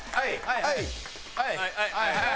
はい！